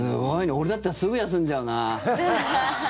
俺だったらすぐ休んじゃうな。